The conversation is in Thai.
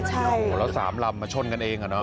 ใช่โอ้โฮแล้วสามลำเขาชนกันเองเหรอ